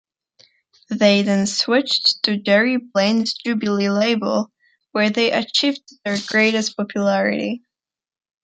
They then switched to Jerry Blaine's Jubilee label, where they achieved their greatest popularity.